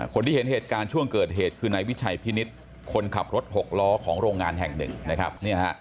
คนที่เห็นเหตุการณ์ช่วงเกิดเหตุคือนายวิชัยพินิษฐ์คนขับรถหกล้อของโรงงานแห่งหนึ่งนะครับ